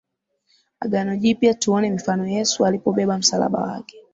Agano Jipya Tuone mifano Yesu alipobeba msalaba wake